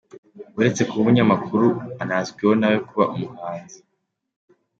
Uretse kuba umunyamakuru anazwiho nawe kuba umuhanzi.